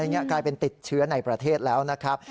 กลายเป็นติดเชื้อในประเทศแล้วนะครับ